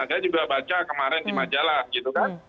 saya juga baca kemarin di majalah gitu kan